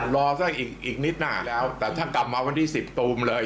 รอสักอีกนิดหน้าแล้วแต่ถ้ากลับมาวันที่๑๐ตูมเลย